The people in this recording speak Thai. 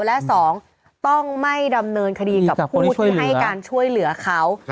และ๒ต้องไม่ดำเนินคดีกับผู้ที่ให้การช่วยเหลือเขา